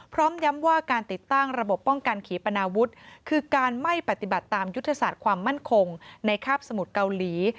พร้อมย้ำว่าการติดตั้งระบบป้องกันขีปนาวุฒิคือการไม่ปฏิบัติตามยุทธศาสตร์ความมั่นคงในคาบสมุทรเกาหลี